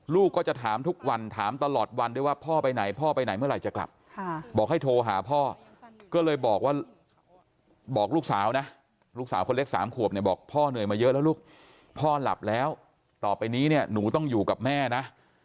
ลูกก็จะถามทุกวันถามตลอดวันด้วยว่าพ่อไปไหนพ่อไปไหนเมื่อไหร่จะกลับบอกให้โทรหาพ่อก็เลยบอกว่าบอกลูกสาวนะลูกสาวคนเล็ก๓ขวบเนี่ยบอกพ่อเหนื่อยมาเยอะแล้วลูกพ่อหลับแล้วต่อไปนี้เนี่ยหนูต้องอยู่กับแม่นะ